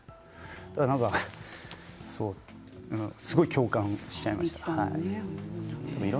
だからすごい共感しちゃいました。